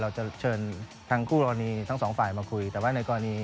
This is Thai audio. เราจะเชิญทางคู่กรณี